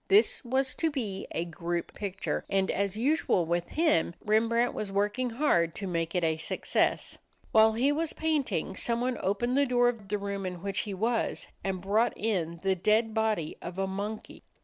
This was to be a group picture, and as usual with him, Rembrandt was working hard to make it a success. While he was painting, someone opened the door of the room in which he was and brought in the dead body of a monkey.